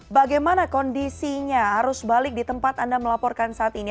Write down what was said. bagaimana kondisinya arus balik di tempat anda melaporkan saat ini